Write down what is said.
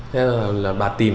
thế là bà tìm